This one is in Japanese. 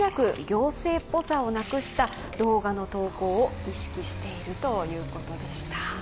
行政っぽさをなくした動画の投稿を意識しているということでした。